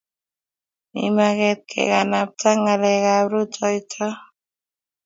Mi maget kekanapta ngalekap rutoito